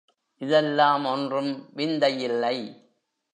இதெல்லாம் ஒன்றும் விந்தை இல்லை.